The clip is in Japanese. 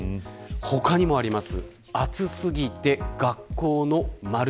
他にもあります。